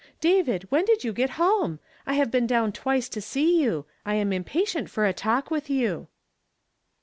David, Avhen did you get home ? I have been down twice to see you. I am impatient for a talk with you."